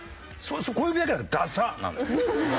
小指だけは「ダサっ！」なのよ。